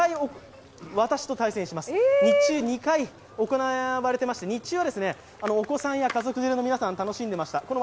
日中２回行われていましてお子さんや家族連れの皆さん、楽しんでいました。